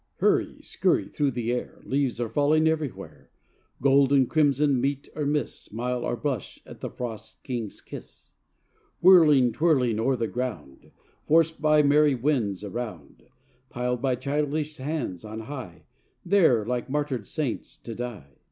Hurry, skurry through the air Leaves are falling everywhere. Gold and crimson meet or miss Smile or blush at the frost king's kiss. Whirling, twirling, o'er the ground, Forced by merry winds around; Piled by childish hands on high, There, like martyred saints, to die.